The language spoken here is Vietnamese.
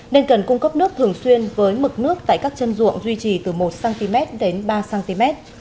nên cần cung cấp nước thường xuyên với mực nước tại các chân ruộng duy trì từ một cm đến ba cm